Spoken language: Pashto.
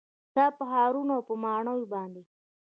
ستا په ښارونو او ماڼیو باندې